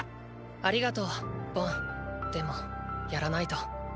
ありがとうボンでもやらないと。